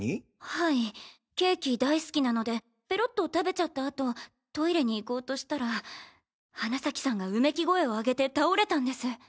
はいケーキ大好きなのでペロっと食べちゃった後トイレに行こうとしたら花崎さんがうめき声をあげて倒れたんです。